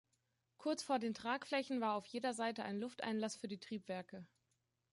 Kurz vor den Tragflächen war auf jeder Seite ein Lufteinlass für die Triebwerke.